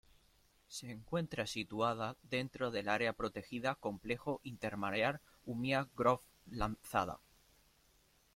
Se encuentra situada dentro del área protegida "Complejo Intermareal Umia-Grove-Lanzada".